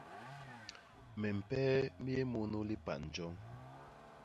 Mimpee mi yé munu lipan joñ.